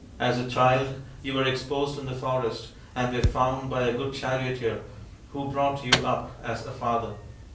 As a child you were exposed in the forest and were found by a good charioteer, who brought you up as a father.